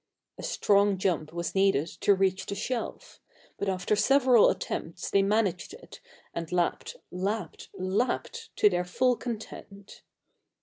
A strong jump was needed to reach the shelf; but after several attempts they managed it and lapped, lapped, lapped to their full content.